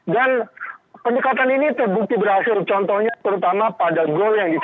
dan pendekatan ini terbukti berhasil contohnya terutama pada gol yang diterapkan oleh mark locke